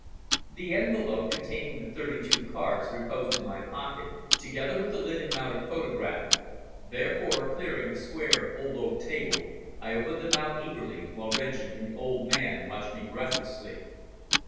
The envelope containing the thirty two cards reposed in my pocket, together with the linen mounted photograph, therefore, clearing the square old oak table, I opened them out eagerly, while Reggie and the old man watched me breathlessly.